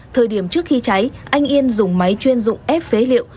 thời điểm trước khi cháy anh yên dùng máy chuyên dụng ép phế liệu